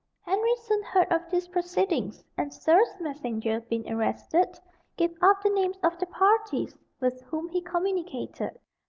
Henry soon heard of these proceedings, and Serle's messenger being arrested, gave up the names of the parties with whom he communicated.